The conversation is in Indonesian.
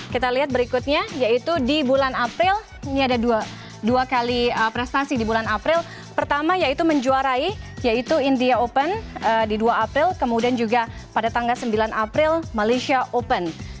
kita lihat berikutnya yaitu di bulan april ini ada dua kali prestasi di bulan april pertama yaitu menjuarai yaitu india open di dua april kemudian juga pada tanggal sembilan april malaysia open